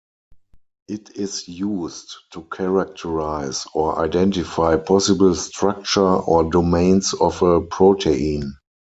It is used to characterize or identify possible structure or domains of a protein.